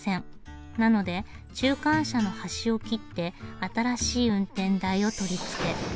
なので中間車の端を切って新しい運転台を取り付け。